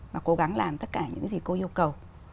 và cố gắng làm tất cả những gì cô yêu cầu